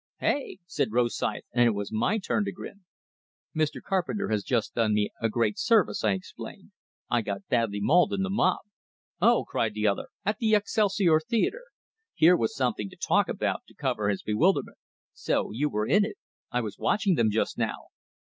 "Hey?" said Rosythe; and it was my turn to grin. "Mr. Carpenter has just done me a great service," I explained. "I got badly mauled in the mob " "Oh!" cried the other. "At the Excelsior Theatre!" Here was something to talk about, to cover his bewilderment. "So you were in it! I was watching them just now."